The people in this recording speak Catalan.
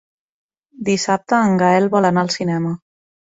Dissabte en Gaël vol anar al cinema.